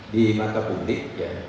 di mata publik